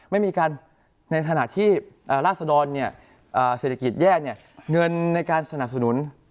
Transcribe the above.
ไม่มีการในธนาคที่ราชดรเนี่ยเศรษฐกิจแย่เนี่ยเงินในการสนับสนุน